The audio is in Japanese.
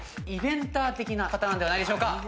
イベンター的な方なんじゃないでしょうか。